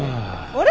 あれ？